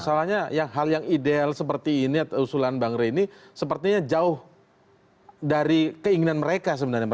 masalahnya hal yang ideal seperti ini atau usulan bang rey ini sepertinya jauh dari keinginan mereka sebenarnya